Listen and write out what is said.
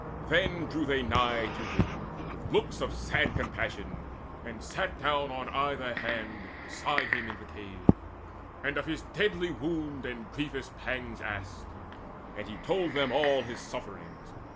Then drew they nigh to him With looks of sad compassion, and sat down On either hand beside him in the cave, And of his deadly wound and grievous pangs Asked; and he told them all his sufferings.